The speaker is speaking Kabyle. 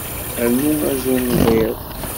Rnu azunɣid.